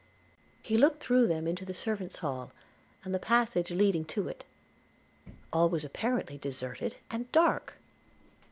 He looked through them into the servants' hall, and the passage leading to it; all was apparently deserted and dark!